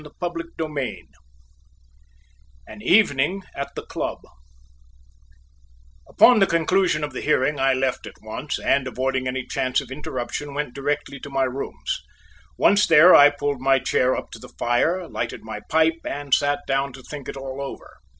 CHAPTER VII AN EVENING AT THE CLUB Upon the conclusion of the hearing I left at once and, avoiding any chance of interruption, went directly to my rooms. Once there I pulled my chair up to the fire, lighted my pipe, and sat down to think it all over.